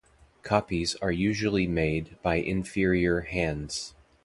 Copies are usually made by inferior hands.